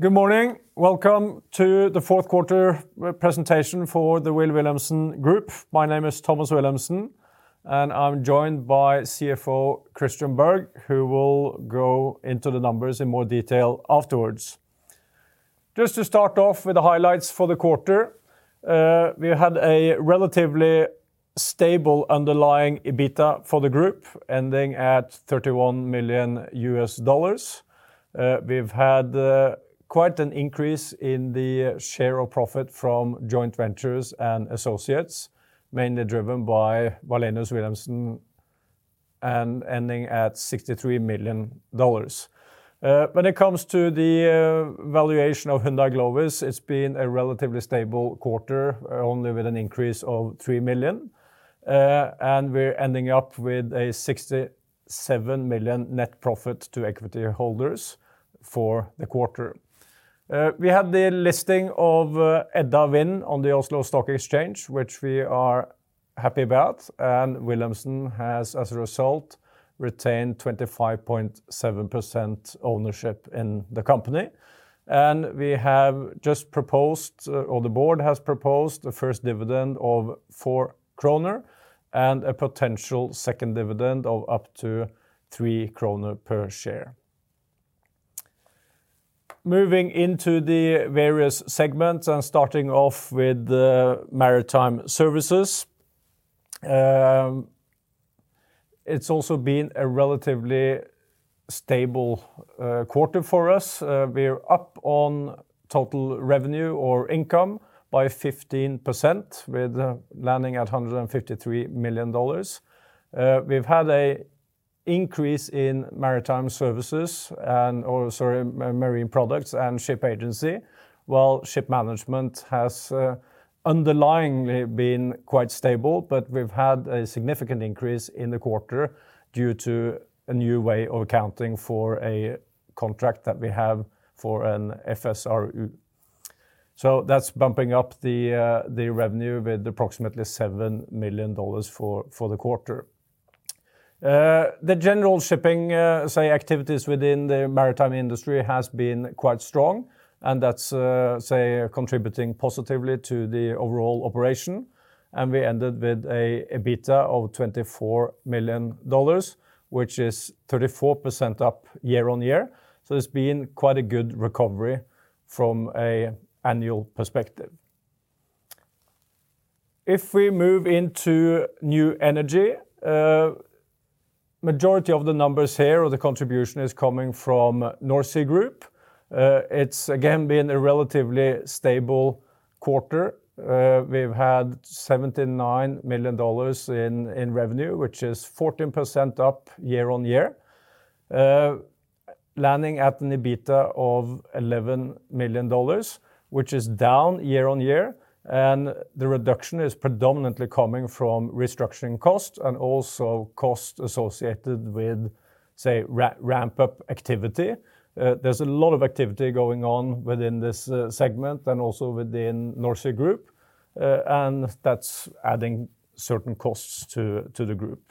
Good morning. Welcome to the fourth quarter presentation for the Wilh. Wilhelmsen Group. My name is Thomas Wilhelmsen, and I'm joined by CFO Christian Berg, who will go into the numbers in more detail afterwards. Just to start off with the highlights for the quarter, we had a relatively stable underlying EBITA for the group, ending at $31 million. We've had quite an increase in the share of profit from joint ventures and associates, mainly driven by Wallenius Wilhelmsen and ending at $63 million. When it comes to the valuation of Hyundai Glovis, it's been a relatively stable quarter, only with an increase of $3 million. We're ending up with a $67 million net profit to equity holders for the quarter. We had the listing of Edda Wind on the Oslo Stock Exchange, which we are happy about, and Wilhelmsen has as a result retained 25.7% ownership in the company. We have just proposed, or the board has proposed, the first dividend of 4 kroner and a potential second dividend of up to 3 kroner per share. Moving into the various segments and starting off with the Maritime Services. It's also been a relatively stable quarter for us. We're up on total revenue or income by 15% with landing at $153 million. We've had an increase in marine products and ship agency, while Ship Management has underlyingly been quite stable. We've had a significant increase in the quarter due to a new way of accounting for a contract that we have for an FSRU. That's bumping up the revenue with approximately $7 million for the quarter. The general shipping activities within the maritime industry has been quite strong, and that's contributing positively to the overall operation. We ended with a EBITA of $24 million, which is 34% up year-on-year. It's been quite a good recovery from an annual perspective. If we move into New Energy, majority of the numbers here or the contribution is coming from NorSea Group. It's again been a relatively stable quarter. We've had $79 million in revenue, which is 14% up year-on-year. Landing at an EBITA of $11 million, which is down year-on-year, and the reduction is predominantly coming from restructuring costs and also costs associated with, say, ramp up activity. There's a lot of activity going on within this segment and also within NorSea Group, and that's adding certain costs to the group.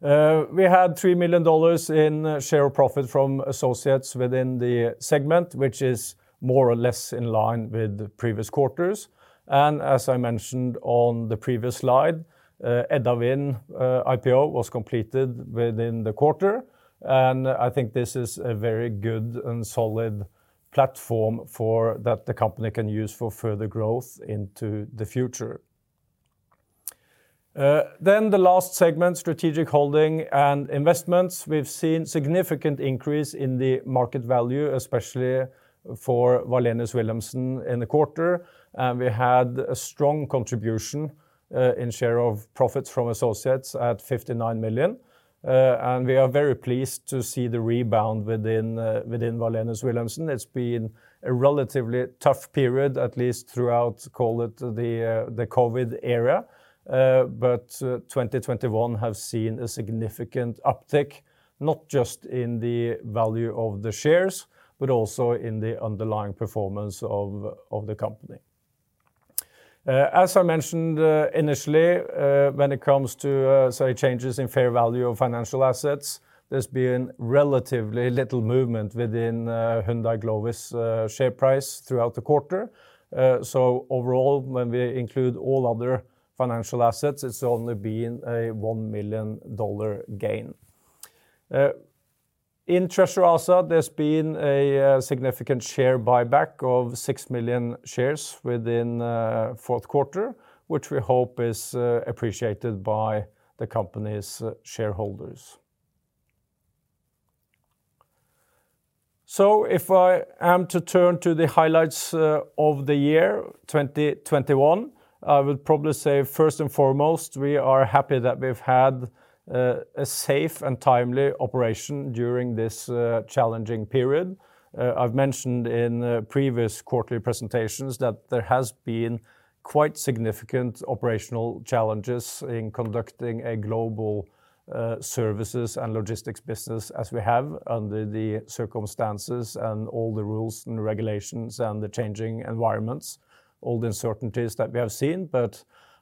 We had $3 million in share profit from associates within the segment, which is more or less in line with the previous quarters. As I mentioned on the previous slide, Edda Wind IPO was completed within the quarter, and I think this is a very good and solid platform for that the company can use for further growth into the future. The last segment, Strategic Holdings and Investments, we've seen significant increase in the market value, especially for Wallenius Wilhelmsen in the quarter. We had a strong contribution in share of profits from associates at $59 million. We are very pleased to see the rebound within Wallenius Wilhelmsen. It's been a relatively tough period, at least throughout, call it, the COVID era. But 2021 have seen a significant uptick, not just in the value of the shares, but also in the underlying performance of the company. As I mentioned initially, when it comes to, say, changes in fair value of financial assets, there's been relatively little movement within Hyundai Glovis's share price throughout the quarter. Overall, when we include all other financial assets, it's only been a $1 million gain. In Treasure ASA, there's been a significant share buyback of 6 million shares within fourth quarter, which we hope is appreciated by the company's shareholders. If I am to turn to the highlights of the year 2021, I would probably say first and foremost, we are happy that we've had a safe and timely operation during this challenging period. I've mentioned in previous quarterly presentations that there has been quite significant operational challenges in conducting a global services and logistics business as we have under the circumstances and all the rules and regulations and the changing environments, all the uncertainties that we have seen.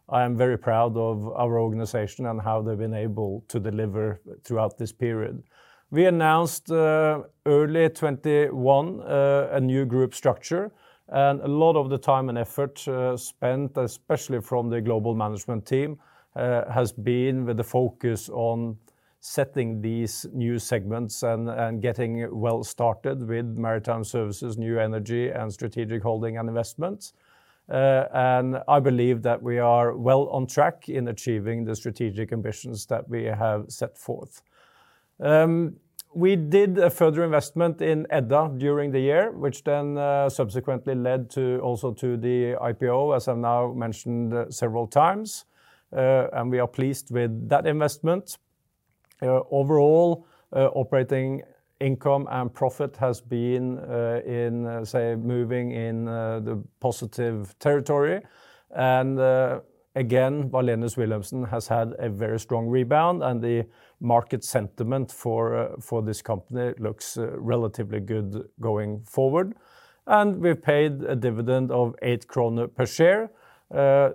I am very proud of our organization and how they've been able to deliver throughout this period. We announced early 2021 a new group structure. A lot of the time and effort spent, especially from the global management team, has been with the focus on setting these new segments and getting well started with Maritime Services, New Energy, and Strategic Holdings and Investments. I believe that we are well on track in achieving the strategic ambitions that we have set forth. We did a further investment in Edda Wind during the year, which then subsequently led also to the IPO, as I've now mentioned several times. We are pleased with that investment. Overall, operating income and profit has been, say, moving in the positive territory. Again, Wallenius Wilhelmsen has had a very strong rebound, and the market sentiment for this company looks relatively good going forward. We've paid a dividend of 8 krone per share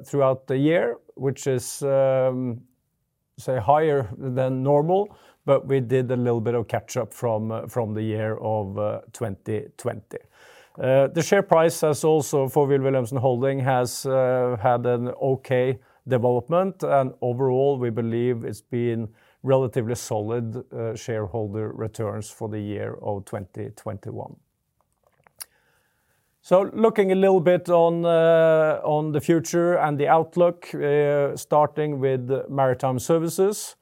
throughout the year, which is, say, higher than normal, but we did a little bit of catch up from the year of 2020. The share price has also for Wilh. Wilhelmsen Holding has had an okay development and overall we believe it's been relatively solid shareholder returns for the year of 2021. Looking a little bit on the future and the outlook, starting with Maritime Services.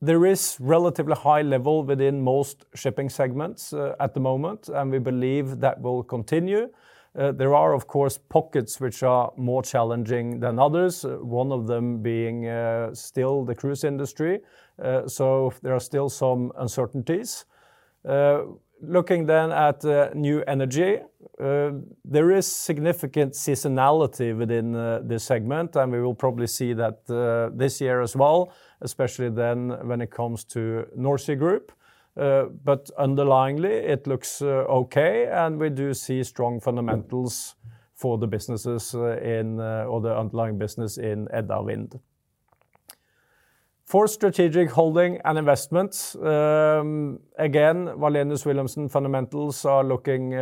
There is relatively high level within most shipping segments at the moment, and we believe that will continue. There are, of course, pockets which are more challenging than others, one of them being still the cruise industry. So there are still some uncertainties. Looking at New Energy, there is significant seasonality within this segment, and we will probably see that this year as well, especially when it comes to NorSea Group. Underlyingly it looks okay, and we do see strong fundamentals for the businesses in or the underlying business in Edda Wind. For Strategic Holdings and Investments, again, Wallenius Wilhelmsen fundamentals are looking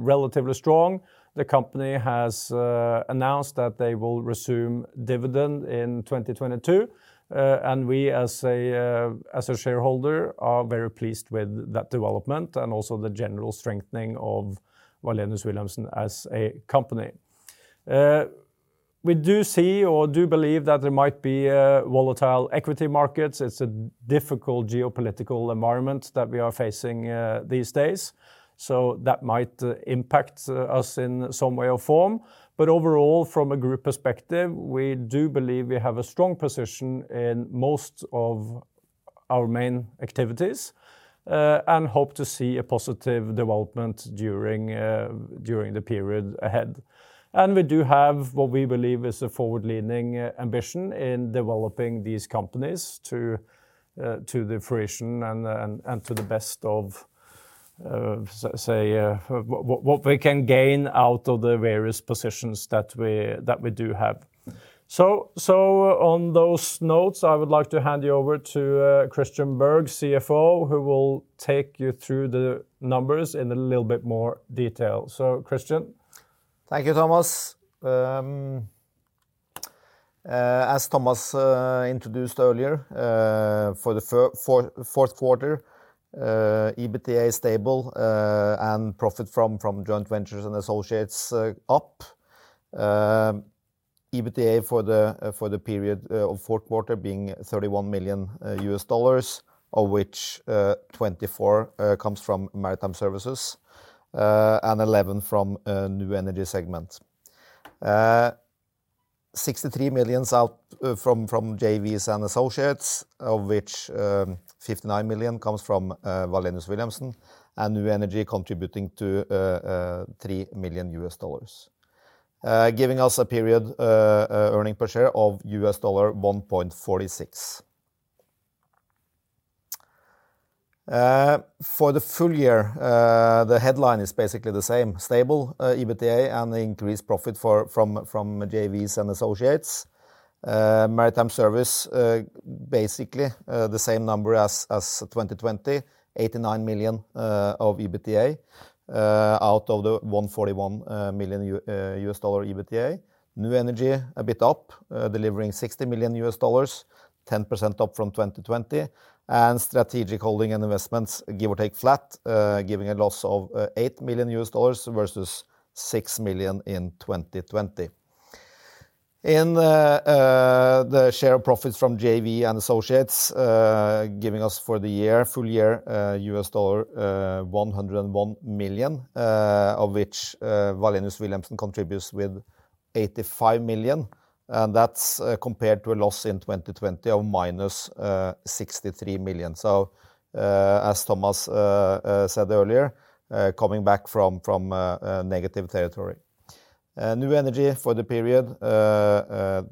relatively strong. The company has announced that they will resume dividend in 2022, and we as a shareholder are very pleased with that development and also the general strengthening of Wallenius Wilhelmsen as a company. We do see or do believe that there might be volatile equity markets. It's a difficult geopolitical environment that we are facing these days, so that might impact us in some way or form. Overall, from a group perspective, we do believe we have a strong position in most of our main activities and hope to see a positive development during the period ahead. We do have what we believe is a forward-leaning ambition in developing these companies to the fruition and to the best of, say, what we can gain out of the various positions that we do have. On those notes, I would like to hand you over to Christian Berg, CFO, who will take you through the numbers in a little bit more detail. So Christian. Thank you, Thomas. As Thomas introduced earlier, for the fourth quarter, EBITDA stable, and profit from joint ventures and associates, up. EBITDA for the period of fourth quarter being $31 million, of which 24 comes from Maritime Services, and 11 from New Energy segment. 63 million from JVs and Associates, of which 59 million comes from Wallenius Wilhelmsen and New Energy contributing to 3 million US dollars. Giving us a period earnings per share of $1.46. For the full year, the headline is basically the same, stable EBITDA and increased profit from JVs and Associates. Maritime Services, basically, the same number as 2020, $89 million of EBITDA out of the $141 million EBITDA. New Energy a bit up, delivering $60 million, 10% up from 2020, and Strategic Holdings and Investments, give or take flat, giving a loss of $8 million versus $6 million in 2020. The share of profits from JV and Associates, giving us for the year, full year, $101 million, of which Wallenius Wilhelmsen contributes with $85 million, and that's compared to a loss in 2020 of minus $63 million. As Thomas said earlier, coming back from negative territory. New Energy for the period $10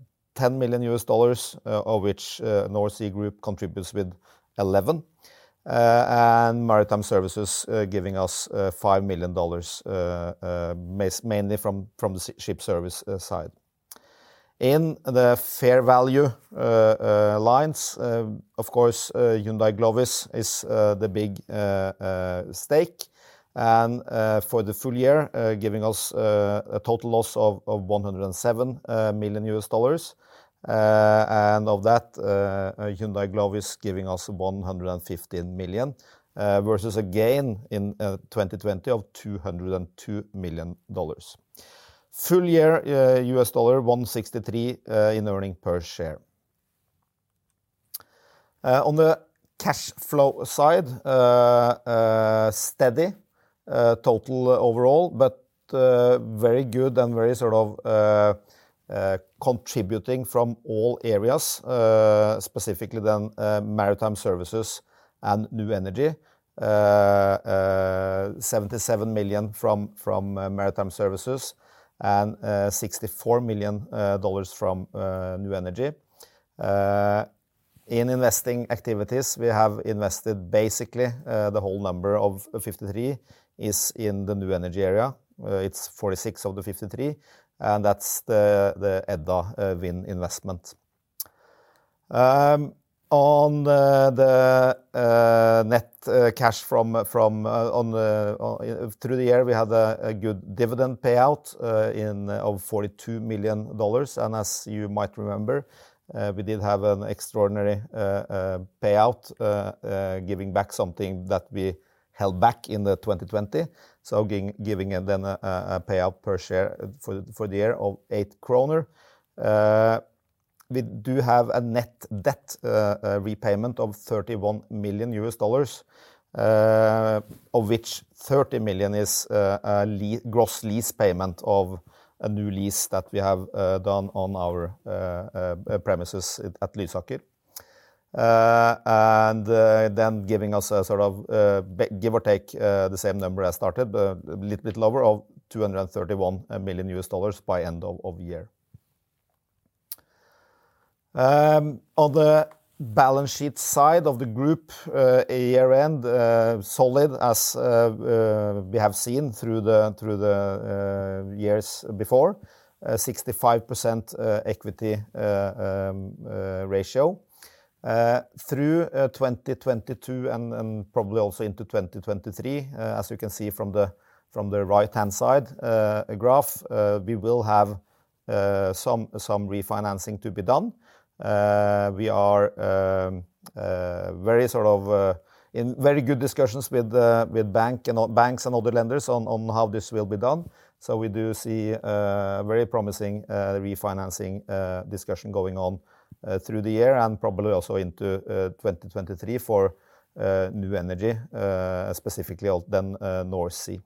million, of which NorSea Group contributes with $11 million and Maritime Services giving us $5 million mainly from the ship service side. In the fair value lines, of course, Hyundai Glovis is the big stake. For the full year, giving us a total loss of $107 million. Of that, Hyundai Glovis giving us $115 million versus a gain in 2020 of $202 million. Full year US dollar 1.63 in earnings per share. On the cash flow side, steady total overall, but very good and very sort of contributing from all areas, specifically than Maritime Services and New Energy. $77 million from Maritime Services and $64 million from New Energy. In investing activities, we have invested basically the whole number of 53 is in the New Energy area. It's 46 of the 53, and that's the Edda Wind investment. On the net cash from on the through the year, we had a good dividend payout of $42 million. As you might remember, we did have an extraordinary payout giving back something that we held back in the 2020. Giving and then a payout per share for the year of 8 kroner. We do have a net debt repayment of $31 million, of which $30 million is a lease payment of a new lease that we have done on our premises at Lysaker. Then giving us a sort of give or take the same number I started, but a little bit lower of $231 million by end of year. On the balance sheet side of the group, year-end solid as we have seen through the years before, 65% equity ratio. Through 2022 and probably also into 2023, as you can see from the right-hand side graph, we will have some refinancing to be done. We are very sort of in very good discussions with the bank and all banks and all the lenders on how this will be done. We do see very promising refinancing discussion going on through the year and probably also into 2023 for New Energy, specifically then NorSea.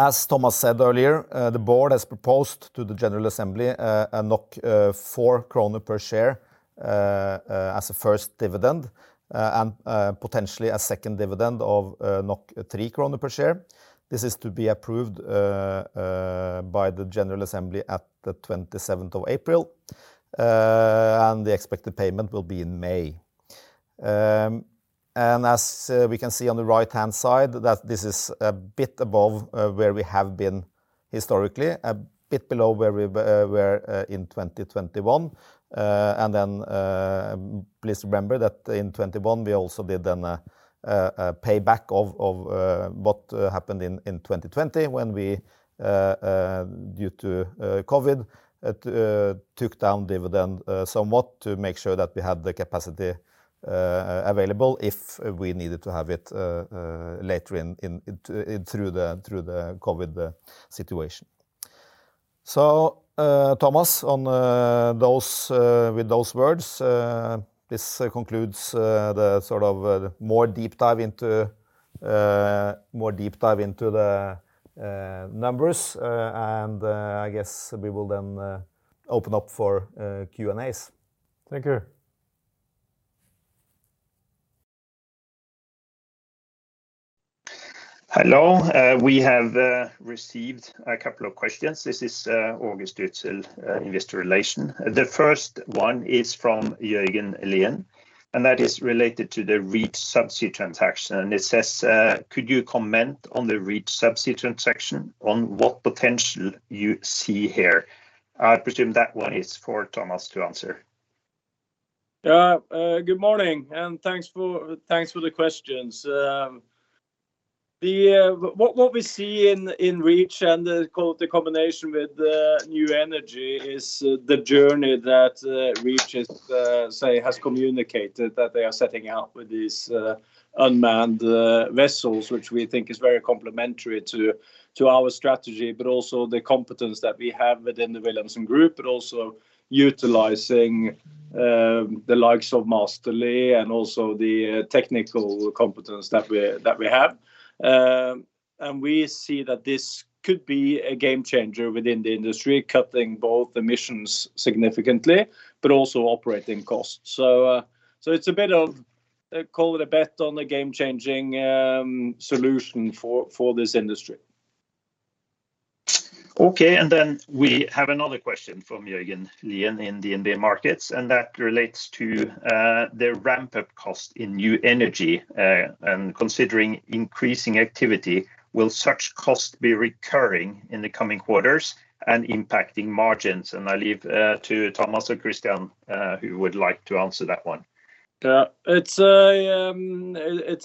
As Thomas said earlier, the board has proposed to the general assembly a 4 kroner per share as a first dividend, and potentially a second dividend of 3 kroner per share. This is to be approved by the general assembly at the 27th of April. The expected payment will be in May. As we can see on the right-hand side that this is a bit above where we have been historically, a bit below where we were in 2021. Please remember that in 2021 we also did a payback of what happened in 2020 when we due to COVID took down dividend somewhat to make sure that we had the capacity available if we needed to have it later through the COVID situation. Thomas, with those words, this concludes the sort of more deep dive into the numbers. I guess we will then open up for Q&As. Thank you. Hello. We have received a couple of questions. This is August Jødsell, Investor Relations. The first one is from Jørgen Lien, and that is related to the Reach Subsea transaction. It says, "Could you comment on the Reach Subsea transaction on what potential you see here?" I presume that one is for Thomas to answer. Good morning, thanks for the questions. What we see in Reach and the combination with the New Energy is the journey that Reach has communicated that they are setting out with these unmanned vessels, which we think is very complementary to our strategy, but also the competence that we have within the Wilhelmsen Group, but also utilizing the likes of Massterly and also the technical competence that we have. We see that this could be a game changer within the industry, cutting both emissions significantly but also operating costs. It's a bit of a bet on the game-changing solution for this industry. Okay, we have another question from Jørgen Thuen in DNB Markets, and that relates to the ramp-up cost in New Energy. Considering increasing activity, will such cost be recurring in the coming quarters and impacting margins? I leave to Thomas or Christian who would like to answer that one. Yeah. It's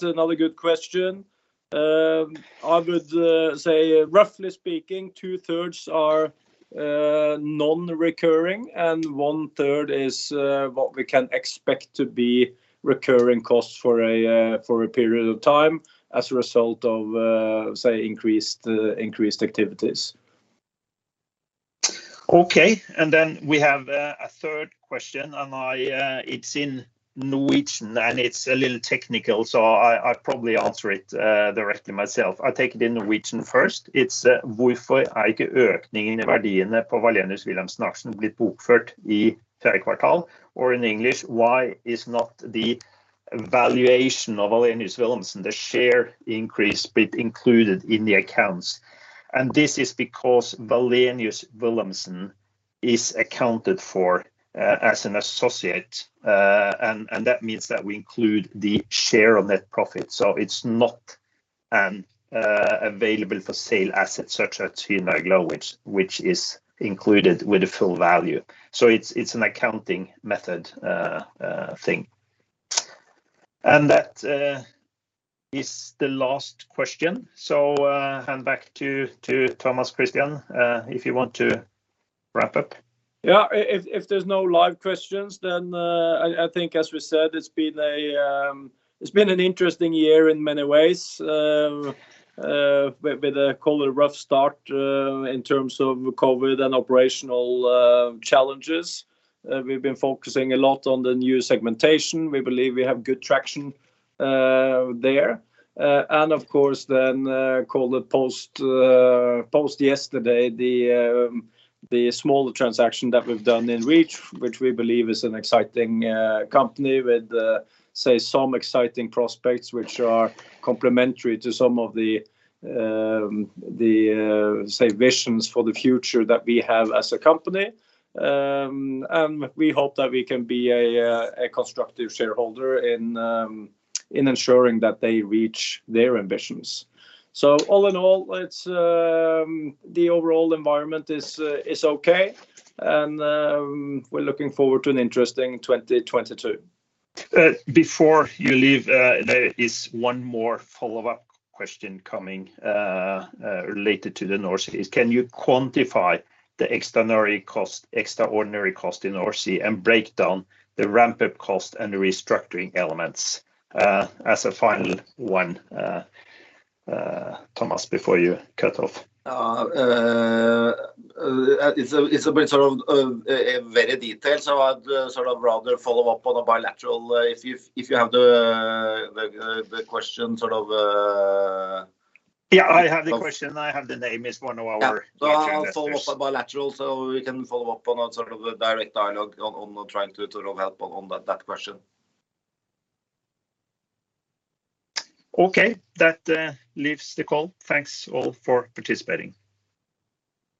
another good question. I would say roughly speaking, two-thirds are non-recurring and one-third is what we can expect to be recurring costs for a period of time as a result of say, increased activities. Okay. Then we have a third question, and it's in Norwegian, and it's a little technical, so I'll probably answer it directly myself. I'll take it in Norwegian first. It's or in English, why is not the valuation of Wallenius Wilhelmsen, the share increase, included in the accounts? And this is because Wallenius Wilhelmsen is accounted for as an associate. And that means that we include the share of net profit. It's not available for sale assets such as Hyundai Glovis, which is included with the full value. It's an accounting method thing. And that is the last question. Hand back to Thomas, Christian, if you want to wrap up. Yeah. If there's no live questions, then I think as we said, it's been an interesting year in many ways with a call it a rough start in terms of COVID and operational challenges. We've been focusing a lot on the new segmentation. We believe we have good traction there. Of course then call it post yesterday the small transaction that we've done in Reach, which we believe is an exciting company with say some exciting prospects which are complementary to some of the say visions for the future that we have as a company. We hope that we can be a constructive shareholder in ensuring that they reach their ambitions. All in all, it's The overall environment is okay and we're looking forward to an interesting 2022. Before you leave, there is one more follow-up question coming, related to the NorSea. Can you quantify the extraordinary cost in NorSea and break down the ramp-up cost and the restructuring elements? As a final one, Thomas, before you cut off. It's a bit sort of very detailed, so I'd sort of rather follow up on a bilateral if you have the question sort of. Yeah, I have the question. I have the name. It's one of our- Yeah Lead investors. I'll follow up on bilateral so we can follow up on a sort of a direct dialogue on trying to sort of help on that question. Okay. That leaves the call. Thanks all for participating.